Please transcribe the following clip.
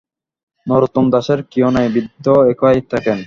নরোত্তম দাসের কেহ নাই, বৃদ্ধ একাই থাকেন।